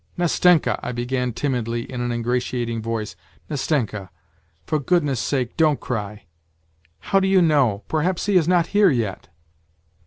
" Nastenka," I began timidly in an ingratiating voice, " Nas tenka ! For goodness' sake don't cry ! How do you know ? Perhaps he is not here yet.